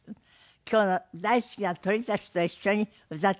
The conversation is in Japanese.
今日大好きな鳥たちと一緒に歌っていただきます。